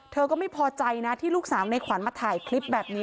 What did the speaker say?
เธอก็ไม่พอใจนะที่ลูกสาวในขวัญมาถ่ายคลิปแบบนี้